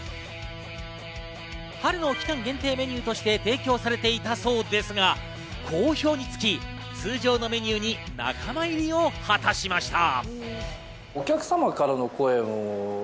春の期間限定メニューとして提供されていたそうですが好評につき、通常のメニューに仲間入りを果たしました。